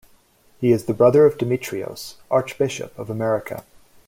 He is the brother of Demetrios, Archbishop of America.